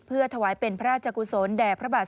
เพื่อถวายเป็นพระราชกุศลแด่พระบาท